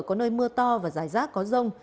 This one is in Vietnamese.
có nơi mưa to và dài rác có rông